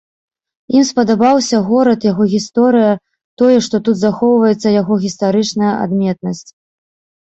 Ім спадабаўся горад, яго гісторыя, тое, што тут захоўваецца яго гістарычная адметнасць.